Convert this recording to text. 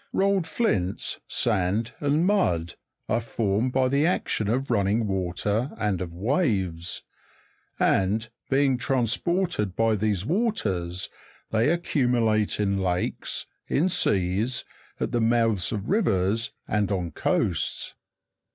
3. Rolled flints, sand, and mud, are formed by the action of running water and of waves ; and, being transported by these waters, they accumulate in lakes,* in seas, at the mouths of rivers, and on coasts.